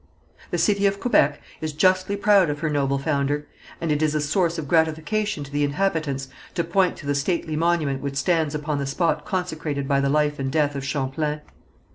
The city of Quebec is justly proud of her noble founder, and it is a source of gratification to the inhabitants to point to the stately monument which stands upon the spot consecrated by the life and death of Champlain.